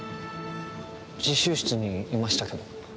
自習室にいましたけど。